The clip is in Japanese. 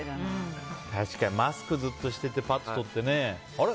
確かにマスクずっとしててパッと取ってねあれ？